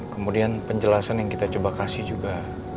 kemudian penjelasan yang kita coba kasih juga